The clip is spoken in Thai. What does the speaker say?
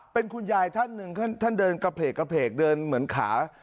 เป็นคุณยายท่านหนึ่งท่านเดินกระเพกกระเพกเดินเหมือนขา